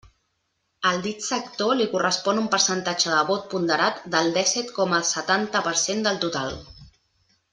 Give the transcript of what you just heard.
Al dit sector li correspon un percentatge de vot ponderat del dèsset coma setanta per cent del total.